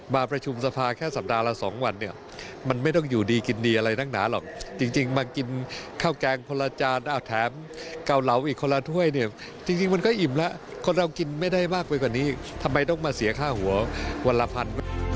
มาประชุมสภาแค่สัปดาห์ละ๒วันเนี่ยมันไม่ต้องอยู่ดีกินดีอะไรนักหนาหรอกจริงมากินข้าวแกงคนละจานแถมเกาเหลาอีกคนละถ้วยเนี่ยจริงมันก็อิ่มแล้วคนเรากินไม่ได้มากไปกว่านี้ทำไมต้องมาเสียค่าหัววันละพัน